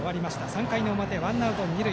３回の表、ワンアウト二塁。